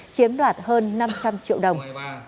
chiếm đoạt hơn năm trăm linh triệu đồng